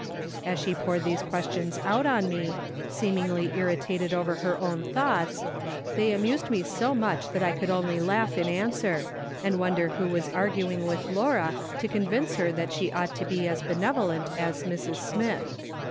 As she had poured these questions out on me, seemingly irritated over her own thoughts, they amused me so much that I could only laugh in answer, and wonder who was arguing with Laura, to convince her that she ought to be as benevolent as Mrs. Smith.